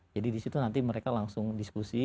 jadi disitu nanti mereka langsung diskusi